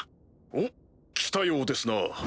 ・おっ来たようですな。